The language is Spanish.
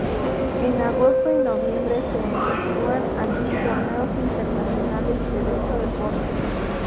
En agosto y noviembre se efectúan allí torneos internacionales de dicho deporte.